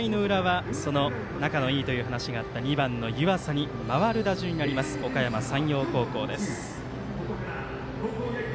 ６回の裏は仲がいいと話のあった２番の湯淺に回る打順になりますおかやま山陽高校です。